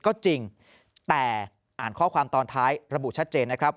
ก็จริงแต่อ่านข้อความตอนท้ายระบุชัดเจนนะครับ